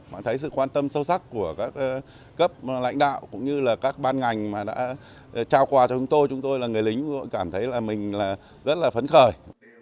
mình thấy sự quan tâm sâu sắc của các cấp lãnh đạo cũng như là các ban ngành đã trao quà cho chúng tôi chúng tôi là người lính cảm thấy là mình rất là phấn khởi